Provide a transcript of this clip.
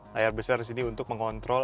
layar besar disini untuk mengontrol